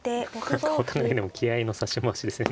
何かお互いでも気合いの指し回しですね。